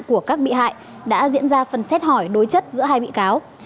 của các bị hại đã diễn ra phần xét hỏi đối chất giữa hai bị cáo